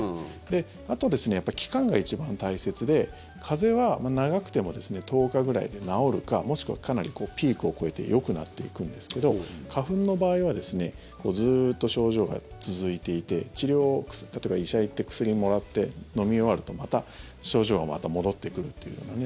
あとは期間が一番大切で、風邪は長くても１０日ぐらいで治るかもしくはピークを越えてよくなっていくんですけど花粉の場合はずっと症状が続いていて治療、例えば医者へ行って薬をもらって、飲み終わるとまた症状が戻ってくるというようなね。